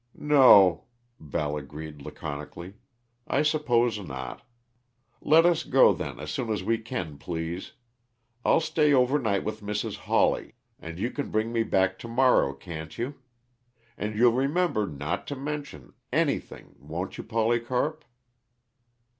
"No," Val agreed laconically, "I suppose not. Let us go, then, as soon as we can, please. I'll stay overnight with Mrs. Hawley, and you can bring me back to morrow, can't you? And you'll remember not to mention anything, won't you, Polycarp?"